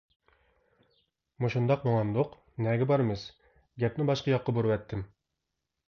مۇشۇنداق ماڭامدۇق؟ نەگە بارىمىز؟ گەپنى باشقا ياققا بۇرىۋەتتىم.